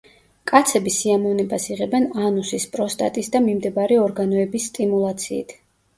კაცები სიამოვნებას იღებენ ანუსის, პროსტატის და მიმდებარე ორგანოების სტიმულაციით.